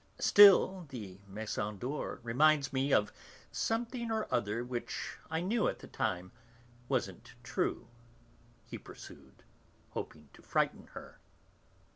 "Still, the Maison d'Or reminds me of something or other which, I knew at the time, wasn't true," he pursued, hoping to frighten her.